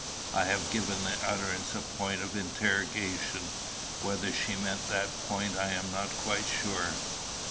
I have given the utterance a point of interrogation; whether she meant that point I am not quite sure.